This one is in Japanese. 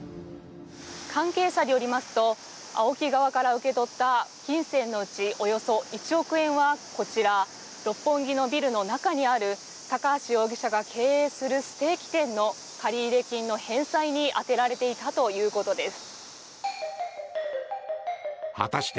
関係者によりますとＡＯＫＩ側から受け取った金銭のうち、およそ１億円はこちら、六本木のビルの中にある高橋容疑者が経営するステーキ店の借入金の返済に充てられていたということです。